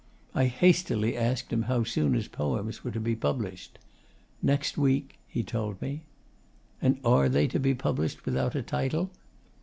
I hastily asked him how soon his poems were to be published. 'Next week,' he told me. 'And are they to be published without a title?